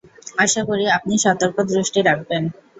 আশা করি, আপনি সতর্ক দৃষ্টি রাখবেন।